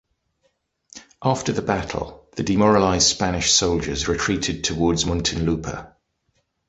After the battle, the demoralized Spanish soldiers retreated towards Muntinlupa.